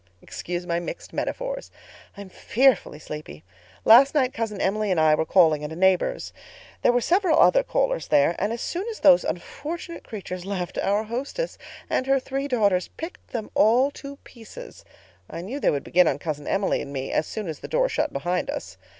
Excuse my mixed metaphors. I'm fearfully sleepy. Last night Cousin Emily and I were calling at a neighbor's. There were several other callers there, and as soon as those unfortunate creatures left, our hostess and her three daughters picked them all to pieces. I knew they would begin on Cousin Emily and me as soon as the door shut behind us.